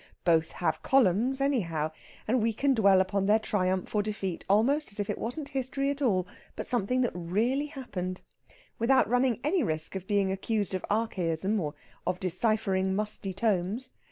Both have columns, anyhow; and we can dwell upon their triumph or defeat almost as if it wasn't history at all, but something that really happened, without running any risk of being accused of archaism or of deciphering musty tomes.